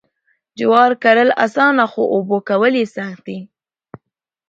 جوار کرل اسانه خو اوبه کول یې سخت دي.